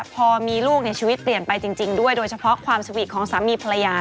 พอมีลูกชีวิตเปลี่ยนไปจริงด้วยโดยเฉพาะความสวีทของสามีภรรยา